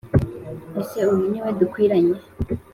Ese uyu ni we dukwiranye